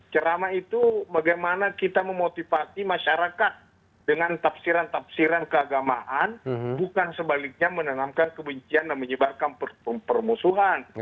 ceramah itu bagaimana kita memotivasi masyarakat dengan tafsiran tafsiran keagamaan bukan sebaliknya menanamkan kebencian dan menyebarkan permusuhan